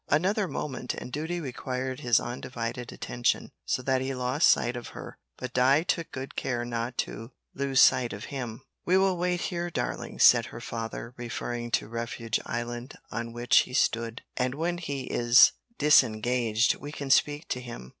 Another moment and duty required his undivided attention, so that he lost sight of her, but Di took good care not to lose sight of him. "We will wait here, darling," said her father, referring to refuge island on which he stood, "and when he is disengaged we can speak to him."